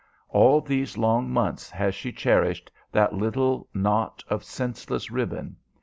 All these long months has she cherished that little knot of senseless ribbon.